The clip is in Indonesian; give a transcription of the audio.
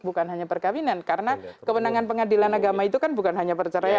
bukan hanya perkawinan karena kewenangan pengadilan agama itu kan bukan hanya perceraian